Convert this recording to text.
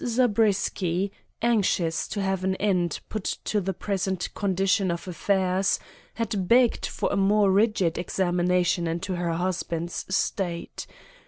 Zabriskie, anxious to have an end put to the present condition of affairs, had begged for a more rigid examination into her husband's state.